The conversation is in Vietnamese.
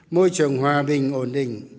môi trường hòa bình ổn định